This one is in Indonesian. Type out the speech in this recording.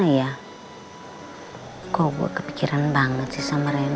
apa ni juga harusancang dirinya ingredients untuk making